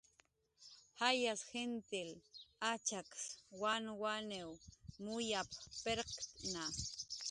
"Jayas jintil achaks wanwaniw muyap"" pirqkna"